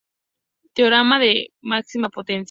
Teorema de máxima potencia